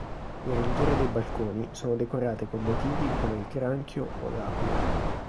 Le ringhiere dei balconi sono decorate con motivi come il granchio o l'aquila.